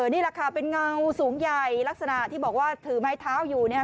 นี่แหละค่ะเป็นเงาสูงใหญ่ลักษณะที่บอกว่าถือไม้เท้าอยู่เนี่ย